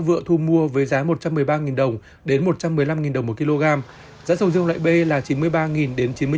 vựa thu mua với giá một trăm một mươi ba đồng đến một trăm một mươi năm đồng một kg giá sầu riêng loại b là chín mươi ba đến chín mươi đồng